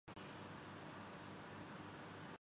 تمہاری شادی کو کتنا عرصہ ہو گیا ہے؟